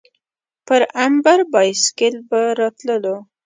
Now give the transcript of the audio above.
پر امبر بایسکل به راتللو.